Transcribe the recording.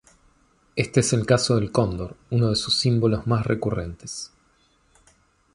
Este es el caso del cóndor, uno de sus símbolos más recurrentes.